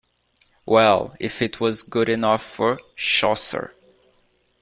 Well, if it was good enough for Chaucer.